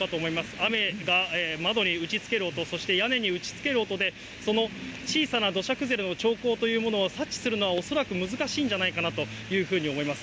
雨が窓に打ちつける音、そして屋根に打ちつける音で、その小さな土砂崩れの兆候というものを察知するのは恐らく難しいんじゃないかなというふうに思います。